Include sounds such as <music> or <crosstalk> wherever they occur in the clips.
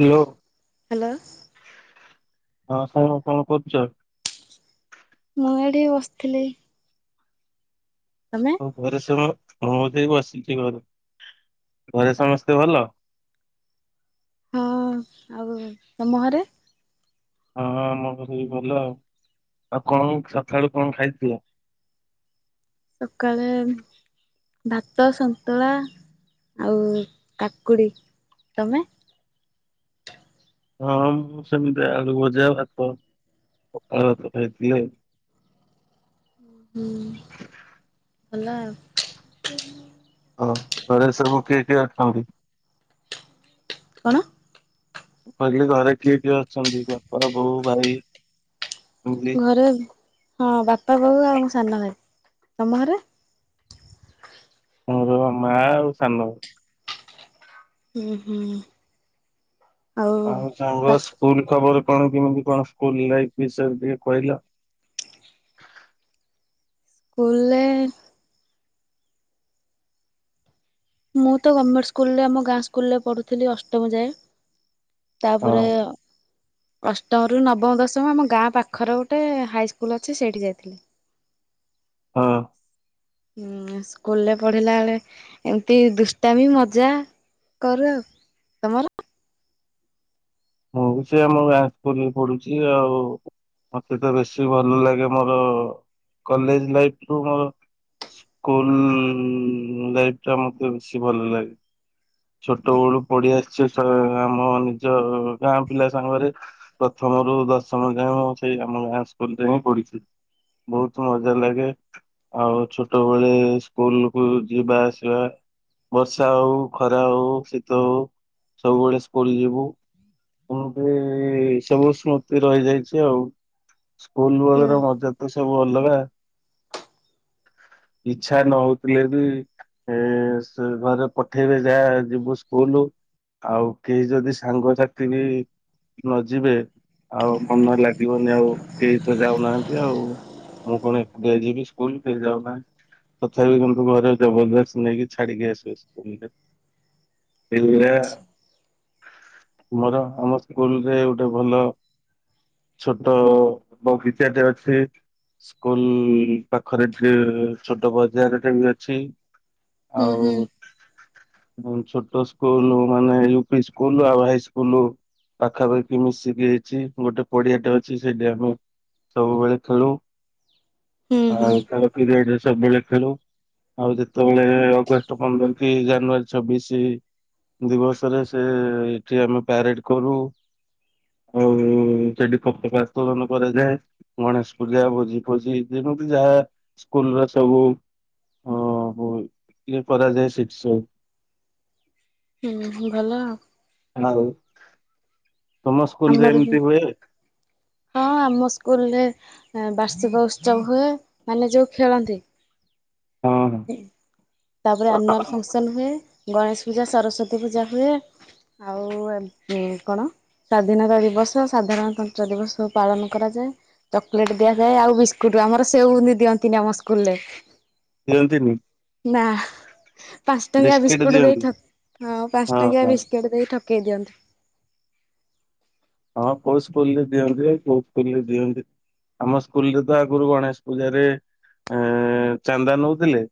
Hello hello. ହଁ ସାଙ୍ଗ କଣ କରୁଛ ମୁଁ ଏଇଠି ବସିଥିଲି ତମେ ଆଉ ଘରେ ସବୁ ମୁଁ ବି ବସିଛି ଘରେ ଘରେ ସମସ୍ତେ ଭଲ ହଁ ଆଉ ତମ ଘରେ ହଁ ହଁ ଆମ ଘରେ ବି ଭଲ ଆଉ ଆଉ କଣ ଚାରିଟା ବେଳେ କଣ ଖାଇଥିଲ ସକାଳେ ଭାତ ସନ୍ତୁଳା ଆଉ କାକୁଡ଼ି ତମେ ହଁ ମୁଁ ସେମିତି ଆଳୁ ଭଜା ଭାତ ପଖାଳ ଭାତ ଖାଇଥିଲି ହୁଁ ହେଲା ଆଉ ହଉ ଘରେ ସବୁ କିଏ କିଏ ଅଛନ୍ତି କଣ କହିଲି ଘରେ କିଏ କିଏ ଅଛନ୍ତି ବାପା ବୋଉ ଭାଇ ଏମିତି ଘରେ ହଁ ବାପା ବୋଉ ଆଉ ସାନ ଭାଇ ତମ ଘରେ ଆମର ମା ଆଉ ସାନ ବୋଉ ହୁଁ ହୁଁ ଆଉ ପା ସାଙ୍ଗ ସ୍କୁଲ ଖବର କଣ କେମିତି କଣ ସ୍କୁଲ ଲାଇଫ ବିଷୟରେ ଟିକେ କହିଲ ସ୍କୁଲ୍‌ ରେ ମୁଁ ତ ଗମେଣ୍ଟ ସ୍କୁଲରେ ଆମ ଗାଁ ସ୍କୁଲରେ ପଢୁଥିଲି ଅଷ୍ଟମ ଯାଏ ହଁ ତାପରେ ଅଷ୍ଟମରୁ ନବମ ଦଶମ ଆମ ଗାଁ ପାଖରେ ଗୋଟେ ହାଇସ୍କୁଲ୍ ଅଛି ସେଇଠି ଯାଇଥିଲି ହଁ ହୁଁ ସ୍କୁଲରେ ପଢିଲା ବେଳେ ଏମିତି ଦୁଷ୍ଟାମି ମଜା କରୁ ଆଉ ତମର ମୁଁ ବି ସେଇ ଆମ ଗାଁ ସ୍କୁଲ ରେ ପଢ଼ୁଛି ଆଉ ମତେ ତ ବେଶୀ ଭଲ ଲାଗେ ମୋର କଲେଜ ଲାଇଫ ରୁ ମୋର ସ୍କୁଲ ଲାଇଫ ଟା ମତେ ବେଶୀ ଭଲ ଲାଗେ ଛୋଟ ବେଳୁ ପଢି ଆସିଛି ଆମ ନିଜ ଗାଁ ପିଲା ସାଙ୍ଗରେ ପ୍ରଥମରୁ ଦଶମ ଯାଏଁ ମୁଁ ସେଇ ଆମ ଗାଁ ସ୍କୁଲରେ ହିଁ ପଢିଛି ବହୁତ ମଜା ଲାଗେ ଆଉ ଛୋଟବେଳେ ସ୍କୁଲ କୁ ଯିବା ଆସିବା ବର୍ଷା ହଉ ଖରା ହଉ ଶୀତ ହଉ ସବୁବେଳେ ସ୍କୁଲ ଯିବୁ ସ୍କୃଲ୍‌ ଠି ସବୁ ସ୍ମୃତି ରହିଯାଇଛି ଆଉ ସ୍କୁଲ ହୁଁ ବେଳର ମଜା ତ ସବୁ ଅଲଗା ଇଛା ନ ହଉଥିଲେ ବି ଏ ସେ ଘରେ ପଠେଇବେ ଯା ଯିବୁ ସ୍କୁଲ ଆଉ କେହି ଯଦି ସାଙ୍ଗସାଥି ବି ନ ଯିବେ ଆଉ ମନ ଲାଗିବନି ଆଉ କେହି ତ ଯାଉନାହାନ୍ତି ଆଉ ମୁଁ କଣ ଏକୁଟିଆ ଯିବି ସ୍କୁଲ କେହିଯାଉ ନାହାନ୍ତି। ତଥାପି କିନ୍ତୁ ଘରେ ଜବରଦସ୍ତ ନେଇକି ଛାଡିକି ଆସିବେ ଆଚ୍ଛା <unintelligible> ମୋର ଆମ ସ୍କୁଲରେ ଗୋଟେ ଭଲ ଛୋଟ ବଗିଚା ଟେ ଅଛି। ସ୍କୁଲ ପାଖରେ <unintelligible> ଛୋଟ ବଜାର ଟେ ବି ଅଛି ହୁଁ ଆଉ ହୁଁ। ଛୋଟ ସ୍କୁଲ ମାନେ ୟୁ ପି ସ୍କୁଲ ଆଉ ହାଇସ୍କୁଲ୍‌। ପାଖାପାଖି ମିଶିକି ହେଇଛି ଗୋଟେ ପଡିଆଟେ ଅଛି ସେଇଟି <unintelligible> ସବୁବେଳେ ଖେଳୁ। ହୁଁ ହୁଁ ଆଉ ଖାଲି ପିରିୟଡରେ ସବୁବେଳେ ଖେଳୁ ଆଉ ଯେତେବେଳେ ଅଗଷ୍ଟ ପନ୍ଦର କି ଜାନୁଆରୀ ଛବିଶି ଦିବସରେ ସେଠି ଆମେ ପ୍ୟାରେଡ କରୁ। ଆଉ ସେଠି ପତକା ଉତ୍ତଳନ କରାଯାଏ। ଗଣେଶ ପୂଜା ଭୋଜି ଫୋଜି ଯେମିତି ଯାହା ସ୍କୁଲ ର ସବୁ। ହଁ ହଉ। କରାଯାଏ ସେଠି ସବୁ। ହୁଁ ଭଲ ଆଉ। ଆଉ ତମ ସ୍କୁଲରେ ଆମର ବି ଏମିତି ହୁଏ। ହଁ ଆମ ସ୍କୁଲରେ ବାର୍ଷିକ ଉତ୍ସବ ହୁଏ ମାନେ ଯଉ ଖେଳନ୍ତି। ହଁ ହଁ। ତାପରେ ଆନୁଆଲ ଫଙ୍କସନ ହୁଏ, ଗଣେଶ ପୂଜା ସରସ୍ଵତୀ ପୂଜା ହୁଏ। ଆଉ ଏମିତି କଣ? ସ୍ୱାଧୀନତା ଦିବସ ସାଧାରଣତନ୍ତ୍ର ଦିବସ ସବୁ ପାଳନ କରାଯାଏ। ଚକୋଲେଟ ଦିଆଯାଏ ଆଉ ବିସ୍କୁଟ ଆମର ସେ ଦିଅନ୍ତିନି ଆମ ସ୍କୁଲ ରେ। ଦିଅନ୍ତିନି। ନା ପାଞ୍ଚ ଟଙ୍କିଆ ବିସ୍କିଟ ବିସ୍କୁଟ ଦିଅନ୍ତି ଦେଇଥ ପାଞ୍ଚ ହଁ ଟଙ୍କିଆ ହଁ ବିସ୍କୁ କୁଟ ଦେଇ ଠକେଇ ଦିଅନ୍ତି। ହଁ କଉ ସ୍କୁଲରେ ଦିଅନ୍ତି କଉ ସ୍କୁଲରେ ଦିଅନ୍ତିନି। ଆମ ସ୍କୁଲ ରେ ତ ଆଗରୁ ଗଣେଶ ପୂଜାରେ ଏ ଚାନ୍ଦା ନୋଉଥିଲେ।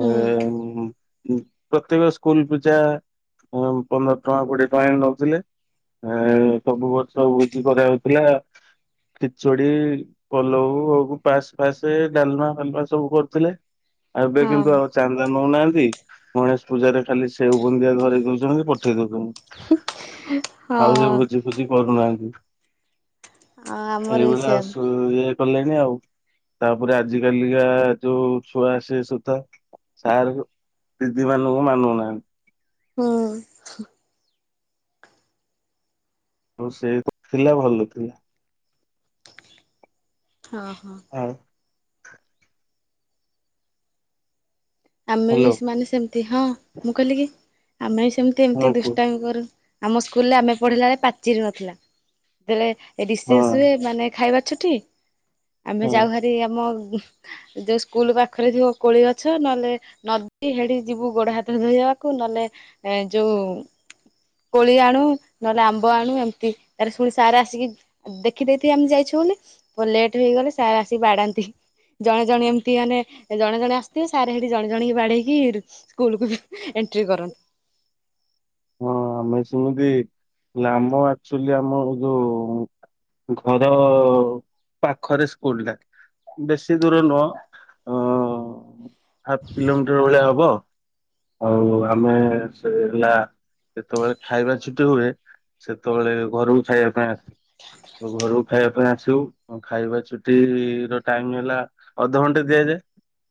ହୁଁ ପ୍ରତେକ ସ୍କୁଲ ପୂଜା ପନ୍ଦର ଟଙ୍କା କୋଡିଏ ଟଙ୍କା ନଉଥିଲେ ଏ ସବୁ ବର୍ଷ ଭୋଜି କରାଯାଉଥିଲା ଖିଚୁଡି ପଲଉ ପାସ୍ ଫାସ୍ ଡାଲମା ଫାଲମା ସବୁ କରୁଥିଲେ ଆଉ ଏବେ ହଁ କିନ୍ତୁ ଆଉ ଚାନ୍ଦା ନଉନାହାନ୍ତି ଗଣେଶ ପୂଜାରେ ଖାଲି ସେଉ ବୁନ୍ଦୀ ଧରେଇ ଦଉଛନ୍ତି ପଠେଇ ଦଉଛନ୍ତି। ଆଉ ସେ ହଁ ଭୋଜି ଫୋଜିି କରୁନାହାନ୍ତି। ଆମର ବି ଏଇଭଳିଆ ସେମ୍ ଆସୁ ଇଏ କଲେଣିି ଆଉ। ତାପରେ ଆଜି କାଲିକା ଯୋଉ ଛୁଆ ଆସେ ସୁଧା। ସାର୍ ଦିଦି ମାନଙ୍କୁ ମାନୁନାହାନ୍ତି। ହୁଁ। ଆଉ ସେ ଥିଲା ଭଲ ଥିଲା। ହଁ ହଁ। ହଉ। ଆମେ ବି ହ୍ୟାଲୋ ସେମାନେ ସେମତି ହଁ ମୁଁ କହିଲି କି ଆମେ ବି ସେମତି ଏମତି ହଁ କୁହ ଦୁଷ୍ଟାମି କରୁ। ଆମ ସ୍କୁଲରେ ଆମେ ପଢିଲା ବଳେ ପାଚେରି ନଥିଲା ଯେତେବେଳେ ଏଠି ହଁ ରିସେଷ ହୁଏ ମାନେ ଖାଇବା ଛୁଟି ଆମେ ହଁ ଯାଉ ହାରି ଆମ ଯୋଉ ସ୍କୁଲ ପାଖରେ ଥିବ କୋଳି ଗଛ ନହେଲେ ନଦୀ ହେଡ଼ି ଯିବୁ ଗୋଡ଼ ହାତ ଧୋଇବାକୁ ନହେଲେ ଯୋଉ କୋଳି ଆଣୁ ନହେଲେ ଆମ୍ବ ଆଣୁ ଏମିତି ତା ଶୁଣି ସାର ଆସିକି ଦେଖିଦେଇଥିବି ଆମେ ଯାଇଛୁ ବୋଲି ପ ଲେଟ୍ ହେଇଗଲେ ସାର୍ ଆସିକି ବାଡ଼ାନ୍ତି। ଜଣେ ଜଣେ ଏମିତି ମାନେ ଜଣେ ଜଣେ ଆସିଥିବେ ସାର ହେ ଜଣେ ଜଣେ କି ବାଡେଇକି ସ୍କୁଲକୁୁ ବି ଏଣ୍ଟ୍ରି କରନ୍ତି। ହଁ ଆମେ ସେମିତି ଆମ ଆକ୍ଚୁଆଲି ଆମର ଯୋଉ ଘର ପାଖରେ ସ୍କୁଲଟା। ବେଶୀ ଦୂର ନୁହଁ ଅଁ ହାଫ କିଲୋମିଟର ଭଳିଆ ହବ ଆଉ ଆମେ ସେ ହେଲା ଯେତେବେଳେ ଖାଇବା ଛୁଟି ହୁଏ ସେତେବେଳେ ଘରକୁ ଖାଇବା ପାଇଁ ଆସେ। ଘରକୁ ଖାଇବା ପାଇଁ ଆସିବୁ ଖାଇବା ଛୁଟିର ଟାଇମ ହେଲା। ଅଧଘଣ୍ଟେ ଦିଆଯାଏ।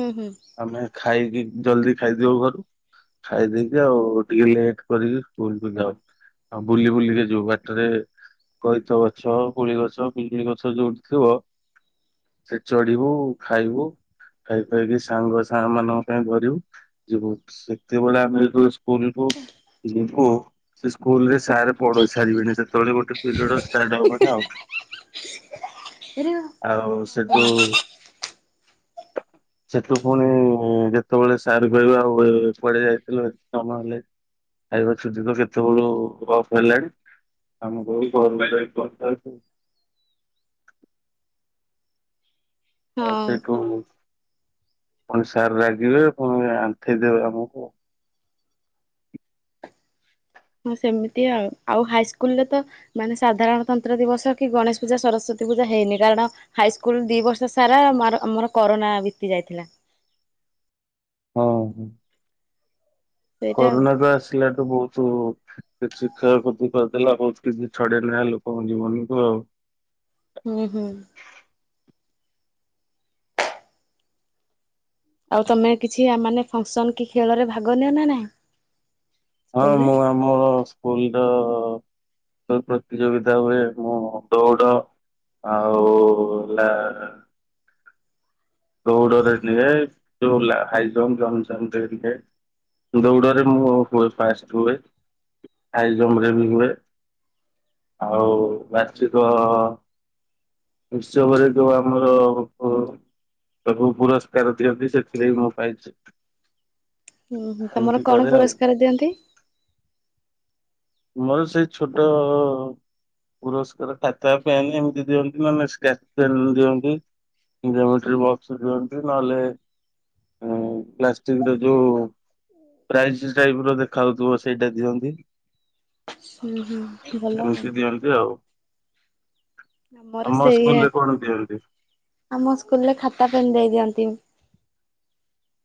ହୁଁ ହୁଁ। ଆମେ ଖାଇକି ଜଲଦି ଖାଇଦବ ଘରୁ ଖାଇଦେଇକି ଆଉ ଟିକେ ଲେଟ କରିକି ସ୍କୁଲ କୁ ଯାଉ ଆଉ ବୁଲି ବୁଲିକା ଯିବୁ ବାଟରେ କଇଥ ଗଛ, କୁଳି ଗଛ, ପିଜୁଳି ଗଛ ଯୋଉଠି ଥିବ ସେ ଚଢିବୁ ଖାଇବୁ ଖାଇ ଖାଇକି ସାଙ୍ଗ ସାଙ୍ଗ ମାନଙ୍କ ପାଇଁ ଧରିବୁ। ଯିବୁ ସେତେବେଳେ ଆମେ ଯୋଉ ସ୍କୁଲକୁୁ ଯିବୁ ସେ ସ୍କୁଲରେ ସାର୍ ପଢେଇ ସାରିବେଣୀ ସେତେବେଳେ ଗୋଟେ ପିରିୟଡ୍ ହବନି ଆଉ। ଆଉ ସେଠୁ ସେଠୁ ଫୁଣି ଯେତେବେଳେ ସାର୍ କହିବେ ଆଉ ଏ କୁଆଡ଼େ ଯାଇଥିଲୁ ଏତେ ସମୟ ହେଲାଣି। ଖାଇବା ଛୁଟିତ କେତେବେଳୁ ଅଫ୍ ହେଲାଣି ଆମେ କହିବୁ ଘରକୁ ଯାଇ ପହଞ୍ଚିସାରିଛି। ଆଉ ହଁ ସେଠୁ ପୁଣି ସାର୍ ରାଗିବେ ପୁଣି ଆଣ୍ଠେଇ ଦେବେ ଆମକୁ। ହଁ ସେମିତି ଆଉ-ଆଉ ହାଇସ୍କୁଲ ରେ ତ ମାନେ ସାଧାରଣତନ୍ତ୍ର ଦିବସ କି ଗଣେଶ ପୂଜା ସରସ୍ଵତୀ ପୂଜା ହେଇନି କାରଣ ହାଇସ୍କୁଲ ଦି ବର୍ଷ ସାରା ଆମ୍ ର ଆମର କରୋନା ବିତି ଯାଇଥିଲା। ହଁ ହୁଁ ସେଇଟା ଆଉ। କରୋନା ତ ଆସିଲାଠୁ ବହୁତୁ। କିଛି କ୍ଷୟ କତି କରିଦେଲା ବହୁ କିଛି ଛଡେଇ ନେଲା ଲୋକଙ୍କ ଜୀବନକୁୁ ଆଉ। ହୁଁ ହୁଁ। ଆଉ ତମେ କିଛି ଆ ମାନେ ଫଙ୍କ୍ସନ୍ କି ଖେଳରେ ଭାଗ ନିଅ ନା ନାଇଁ। ହଁ ମୁଁ ଆମର ସ୍କୁଲ ର ତ ପ୍ରତିଯୋଗିତା ହୁଏ ମୁଁ ହ ଦୌଡ଼। ଆଉ ହେଲା ଦୌଡ଼ରେ ନିଏ ଯୋଉ ହେଲା ହାଇଜମ୍ ଜ ଜମ୍ପ ରେ ନିଏ। ଦୌଡ଼ରେ ମୁଁ ହୁଏ ଫାଷ୍ଟ ହୁଏ ହାଇ ଜମ୍ପ ରେ ବି ହୁଏ। ଆଉ ବାର୍ଷିକ ଉତ୍ସବରେ ଯଉ ଆମର ଅ ସବୁ ପୁରସ୍କାର ଦିଅନ୍ତି ସେଥିରେ ବି ମୁଁ ପାଇଚି। ହୁଁ ହୁଁ ତମର କଣ ଆଉ। ପୁରସ୍କାର ଦିଅନ୍ତି? ମୋର ସେଇ ଛୋଟ ପୁରସ୍କାର ଖାତା ପେନ୍ ଏମ୍ତି ଦିଅନ୍ତି ନଲେ ସ୍କେଚ୍ପେନ୍ ଦିଅନ୍ତି। ଜେମେଟ୍ରି ବକ୍ସ ଦିଅନ୍ତି ନହେଲେ ହୁଁ ପ୍ଲାଷ୍ଟିକ ର ଯୋଉ ପ୍ରାଇଜ୍ ସ୍ଟାଇପ୍ର ଦେଖାହଉଥିବ ସେଇଟା ଦିଅନ୍ତି। ହୁଁ ହୁଁ ଭଲ। ଏମିତି ଦିଅନ୍ତି ଆଉ। ଆମର ଆମ ସେୟା ସ୍କୁଲରେ କଣ ଦିଅନ୍ତି ଆମ ସ୍କୁଲ୍ରେ ଖାତା ପେନ୍ ଦେଇ ଦିଅନ୍ତି।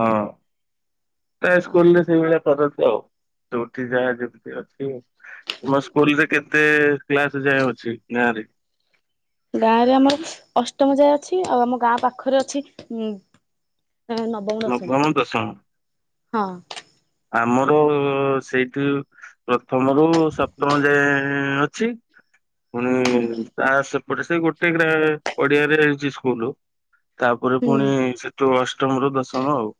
ହଁ ପ୍ରାଏ ସ୍କୁଲ୍ରେ ସେଇଭଳିଆ କରନ୍ତି ଆଉ। ଯଉଠି ଯା ଯେମିତି ଅଛି ତମ ସ୍କୁଲରେ କେତେ କ୍ଲାସ୍ ଯାଏଁ ଅଛି ନାରେ। ଗାଁ ରେ ଆମର ଅଷ୍ଟମ ଯାଏ ଅଛି ଆଉ ଆମ ଗାଁ ପାଖରେ ଅଛି ଉଁ ଏଁ ନବ୍ ବମ୍ ଦଶମ୍ ନବମ ଦଶମ ହଁ। ଆମର ସେଇଠୁ ପ୍ରଥମରୁ ସପ୍ତମ ଯାଏଁ ଅଛି। ପୁଣି ତା ସେପଟେ ସେ ଗୋଟେ ଗ୍ରା ପଡିଆରେ ହେଇଚି ସ୍କୁଲୁ ତାପରେ ହୁଁ ପୁଣି ସେଠୁ ଅଷ୍ଟମ ରୁ ଦଶମ ଆଉ।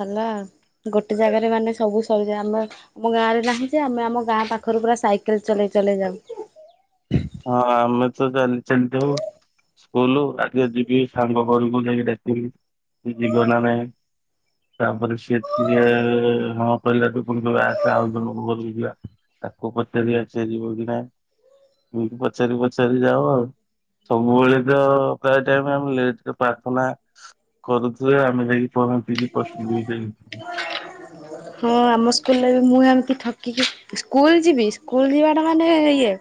ଭଲ ଆଉ ଗୋଟେ ଜାଗାରେ ମାନେ ସବୁ ସରିଯାଏ ଆମର୍ ଆମ ଗାଁ ରେ ନାହିଁ ଯେ ଆମେ ଆମ ଗାଁ ପାଖରୁ ପୁରା ସାଇକେଲ୍ ଚଲେଇ ଚଲେଇ ଯାଉ। ହଁ ଆମେ ତ ଚାଲ୍ ଚାଲି ଯାଉ। ସ୍କୁଲ ଆଗେ ଯିବି ସାଙ୍ଗ ଘରକୁ ଯାଇକି ଡାକିବି ସେ ଯିବ ନା ନାଇଁ। ତାପ୍ରେ ସିଏ ସିଏ ହଁ କହିଲାଠୁ ବି ପୁଣି କହିବୁ ଆସେ ଆଉ ଜଣକ ଘରକୁ ଯିବା। ତାକୁ ପଚାରିବା ସେ ଜିବକି ନାଇଁ। ହୁଁ ପଚାରି ପଚାରି ଯାଅ ଆଉ। ସବୁବେଳେ ତ ପ୍ରାୟ ଟାଇମ୍ ଆମେ ଲେଟ୍ ପ୍ରାର୍ଥନା କରୁଥୁବେ ଆମେ ଯାଇ ପହଞ୍ଚି କି ପଶିବି ଭିତରେ। ହଁ ଆମ ସ୍କୁଲ୍ରେ ମୁଁ ଏମିତି ଠକିକି ସ୍କୁଲ ଯିବି ସ୍କୁଲ ଯିବାଟା ମାନେ ଇଏ।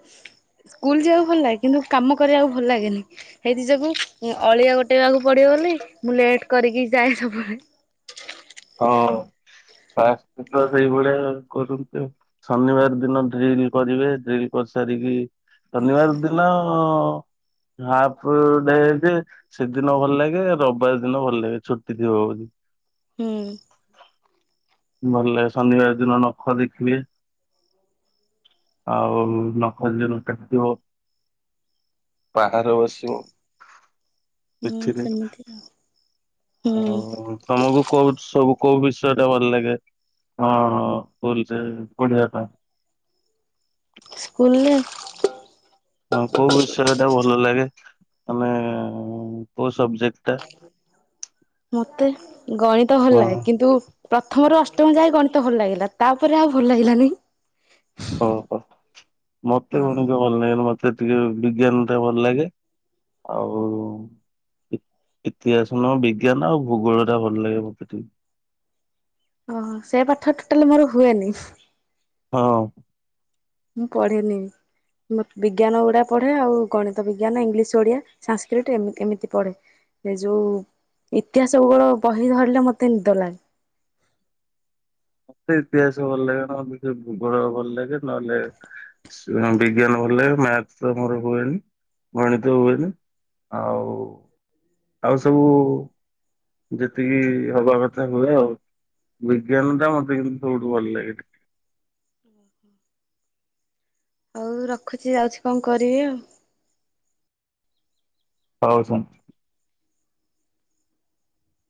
ସ୍କୁଲ ଯିବାକୁ ଭଲ୍ ଲାଗେ କିନ୍ତୁ କାମ କରିବାକୁ ଭଲ୍ ଲାଗେନି। ହେଇଥି ଯୋଗୁଁ ଉଁ ଅଳିଆ ଗୋଟେଇବାକୁ ପଡ଼ିବନି ମୁଁ ଲେଟ୍ କରିକି ଯାଏ ସବ୍ବେଳେ। ହଁ ବା ତ ସେଇଭଳିଆ କରନ୍ତି ଆଉ। ଶନିବାର ଦିନ ଡ୍ରିଲ୍ କରିବେ ଡ୍ରିଲ୍ କର୍ ସାରିକି ଶନିବାର ଦିନ ହାଫ୍ ଡେଜେ ସେଦିନ ଭଲା ଲାଗେ ରବ୍ବାର୍ ଦିନ ଭଲ୍ ଲାଗେ ଛୁଟି ଥିବ ବୋଲି। ହୁଁ ଭଲ ଲାଗେ ଶନିବାର ଦିନ ନଖ ଦେଖିବେ। ଆଉ ନଖ ଯିଏ ନକାଟିିଥିବ ବାହାରେ ବସିବ। ହଁ ସେମିତିଆ। ହଉ ତମକୁ କୋଉ ସବୁ କୋଉ ବିଷୟ ରେ ଭଲ୍ ଲାଗେ। ହଁ ପୋଲ୍ସେ ପଡିବା ପାଇଁ। ସ୍କୁଲ୍ଲେ ହଁ କୋଉ ବିଷୟରେ ଟା ଭଲ ଲାଗେ ତମେ କୋଉ ସବଜେକ୍ଟ ଟା? ମତେ ଗଣିତ ଭଲ ହଁ? ଲାଗେ କିନ୍ତୁ ପ୍ରଥମରୁ ଅଷ୍ଟମ ଯାଏ ଗଣିତ ଭଲ ଲାଗିଲା ତାପରେ ଆଉ ଭଲ ଲାଗିଲାନି। ଓହୋ ମତେ ହଁ କଣ କି ଭଲ ଲାଗେନି ମତେ ଟିକେ ବିଜ୍ଞାନଟା ଭଲ ଲାଗେ। ଆଉ ଇତିହାସ ନୁହଁ ବିଜ୍ଞାନ ଆଉ ଭୂଗୋଳ ଟା ଭଲ ଲାଗେ ମୋତେ ଟିକେ। ଓହୋ ସେ ପାଠ ଟୋଟାଲ ମୋର ହୁଏନି। ହଁ। ମୁଁ ପଢିନି। ବିଜ୍ଞାନ ଉଡା ପଢ଼େ ଆଉ ଗଣିତ ବିଜ୍ଞାନ ଇଂଲିଶ ଓଡ଼ିଆ ସଂସ୍କୃଟ ଏମିତି ଏମିତି ପଢ଼େ। ସେ ଯୋଉ ଇତିହାସ ଭୁଗୋଳ ବହି ଧରିଲେ ମତେ ନିଦ ଲାଗେ। ମତେ ଇତିହାସ ଭଲ ଲାଗେ ନହଲେ ଭୂଗୋଳ ଭଲ ଲାଗେ ନହେଲେ ବିଜ୍ଞାନ ଭଲ ଲାଗେ ମ୍ୟାଥ ତ ମୋର ହୁଏନି ଗଣିତ ହୁଏନି। ଆଉ ଆଉ ସବୁ ଯେତିକି ହବା କଥା ହୁଏ ଆଉ। ବିଜ୍ଞାନଟା ମତେ କିନ୍ତୁ ସବୁଠୁ ଭଲ ଲାଗେ। ଓହୋ। ହଉ ରଖୁଛି ଯାଉଛି କଣ କରିବି ଆଉ। ହଉସ